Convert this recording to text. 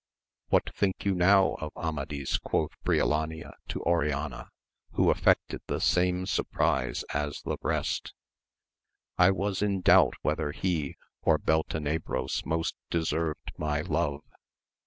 What think you now of Amadis, quoth Briolania to Oriana, who affected the same surprise as tiie rest ; I was in doubt whether he or Beltenebros most deserved my love.